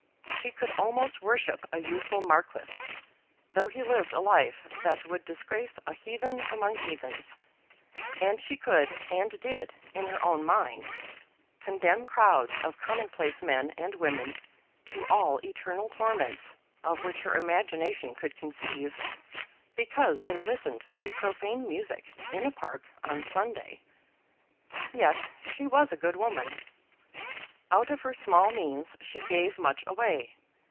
She could almost worship a youthful marquis, though he lived a life that would disgrace a heathen among heathens; and she could and did, in her own mind, condemn crowds of commonplace men and women to all eternal torments of which her imagination could conceive, because they listened to profane music in a park on Sunday. Yet she was a good woman. Out of her small means she gave much away.